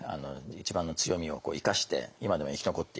一番の強みを生かして今でも生き残っている。